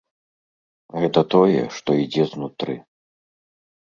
Гэта тое, што ідзе знутры.